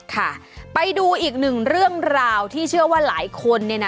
ค่ะไปดูอีกหนึ่งเรื่องราวที่เชื่อว่าหลายคนเนี่ยนะ